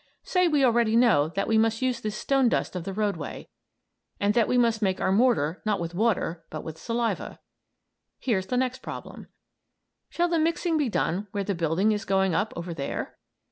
Say we already know that we must use this stone dust of the roadway, and that we must make our mortar not with water but with saliva. Here's the next problem: Shall the mixing be done where the building is going up over there?